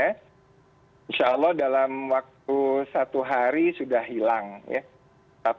insya allah dalam waktu ini mungkin dia akan berhasil